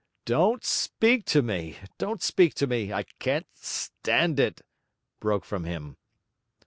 'Don't speak to me, don't speak to me. I can't stand it,' broke from him.